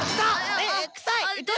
ええくさい！